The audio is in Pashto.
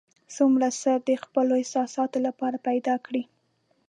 څومره څه د خپلو احساساتو لپاره پیدا کړي.